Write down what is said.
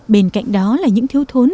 bên cạnh đó là những thiếu thốn